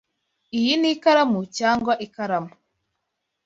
Iyi ni ikaramu cyangwa ikaramu?